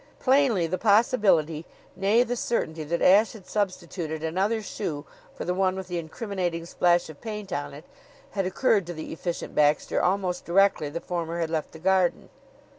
Plainly, the possibility nay, the certainty that Ashe had substituted another shoe for the one with the incriminating splash of paint on it had occurred to the Efficient Baxter almost directly the former had left the garden.